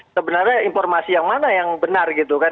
sebenarnya informasi yang mana yang benar gitu kan